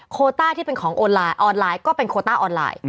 โคต้าที่เป็นของออนไลน์ออนไลน์ก็เป็นโคต้าออนไลน์